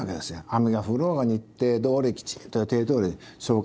雨が降ろうが日程どおりきちんと予定どおり消化する。